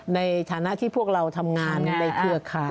ในฐานะที่พวกเราทำงานในเครือข่าย